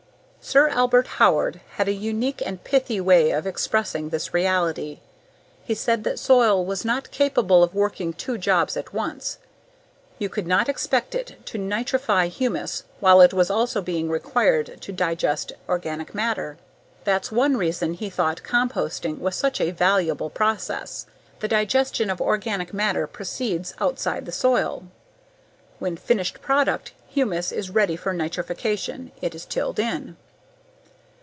Sir Albert Howard had a unique and pithy way of expressing this reality. He said that soil was not capable of working two jobs at once. You could not expect it to nitrify humus while it was also being required to digest organic matter. That's one reason he thought composting was such a valuable process. The digestion of organic matter proceeds outside the soil; when finished product, humus, is ready for nitrification, it is tilled in.